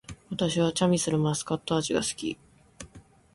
私はチャミスルマスカット味が好き